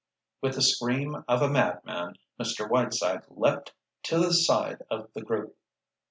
With the scream of a madman, Mr. Whiteside leaped to the side of the group.